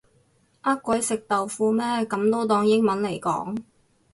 呃鬼食豆腐咩噉都當英文嚟講